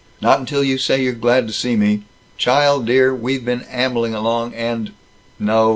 "Not until you say you're glad to see me. Child dear, we've been ambling along and No.